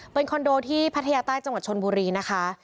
เป็นคอนโดที่พัทยาใต้จังหวัดชนบุรีนะคะ